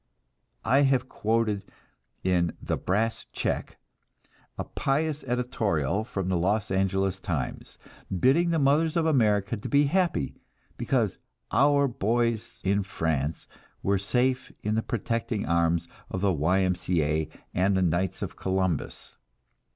I have quoted in "The Brass Check" a pious editorial from the Los Angeles Times, bidding the mothers of America be happy, because "our boys in France" were safe in the protecting arms of the Y. M. C. A. and the Knights of Columbus.